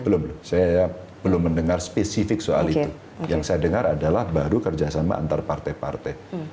belum saya belum mendengar spesifik soal itu yang saya dengar adalah baru kerjasama antar partai partai